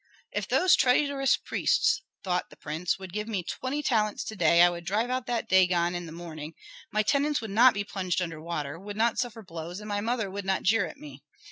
"If those traitorous priests," thought the prince, "would give me twenty talents to day, I would drive out that Dagon in the morning, my tenants would not be plunged under water, would not suffer blows, and my mother would not jeer at me.